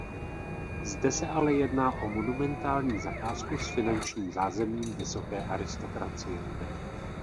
Zde se ale jedná o monumentální zakázku s finančním zázemím vysoké aristokracie.